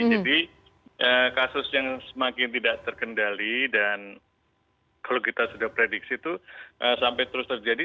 jadi kasus yang semakin tidak terkendali dan kalau kita sudah prediksi itu sampai terus terjadi